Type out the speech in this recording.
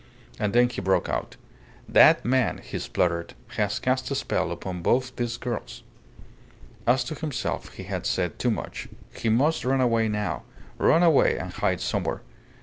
And then he broke out. 'That man,' he spluttered, 'has cast a spell upon both these girls.' As to himself, he had said too much. He must run away now run away and hide somewhere.